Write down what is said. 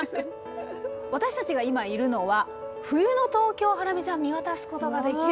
私たちが今いるのは冬の東京をハラミちゃん見渡すことができる。